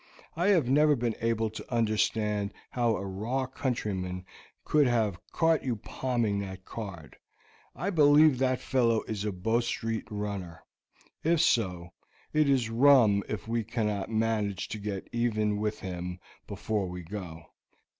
I have never been able to understand how a raw countryman could have caught you palming that card. I believe that fellow is a Bow Street runner; if so, it is rum if we cannot manage to get even with him before we go.